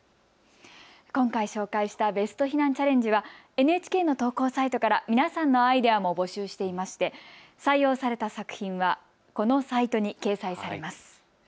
今回紹介したベスト避難チャレンジは、ＮＨＫハート展の投稿サイトから皆さんのアイデアも募集していまして採用された作品はこのサイトに掲載されます。